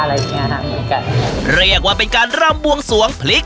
อะไรอย่างเงี้ยฮะเหมือนกันเรียกว่าเป็นการร่ำบวงสวงพลิก